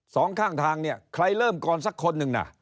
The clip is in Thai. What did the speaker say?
สองข้างทางเนี่ยใครเริ่มก่อนสักคนหนึ่งน่ะ